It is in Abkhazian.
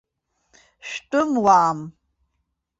Шәтәымуаам.